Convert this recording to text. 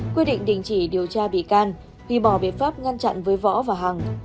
quy định đình chỉ điều tra bị can ghi bỏ biện pháp ngăn chặn với võ và hằng